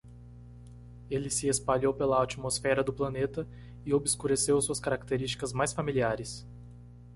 Ele se espalhou pela atmosfera do planeta e obscureceu suas características mais familiares.